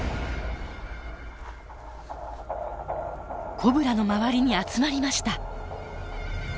コブラの周りに集まりました。